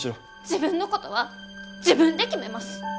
自分のことは自分で決めます！